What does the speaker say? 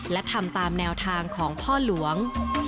และทำตามแนวทางของพ่อหลวง